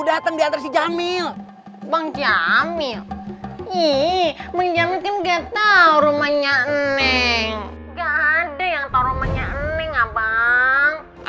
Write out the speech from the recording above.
datang diantar si jamil bang jamil ii menjaga kegiatan rumahnya eneng enggak ada yang tahu